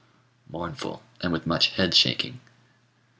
mournful, and with much head shaking.